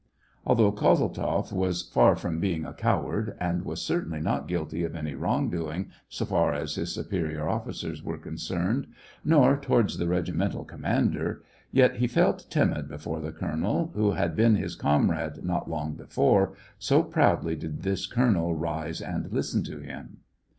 Although Kozeltzoff was far from being a cow ard, and was certainly not guilty of any wrong doing so far as his superior officers were con cerned, nor towards the regimental commander, 194 SEVASTOPOL IN AUGUST. yet he felt timid before the colonel, who had been his comrade not long before, so proudly did this colonel rise and listen to him.